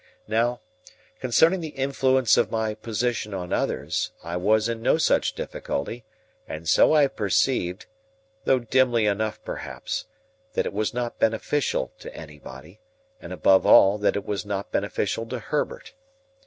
Now, concerning the influence of my position on others, I was in no such difficulty, and so I perceived—though dimly enough perhaps—that it was not beneficial to anybody, and, above all, that it was not beneficial to Herbert.